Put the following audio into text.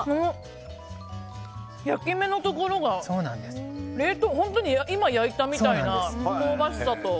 焼き目のところが本当に今焼いたみたいな香ばしさと。